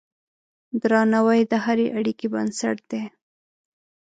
درناوی د هرې اړیکې بنسټ دی.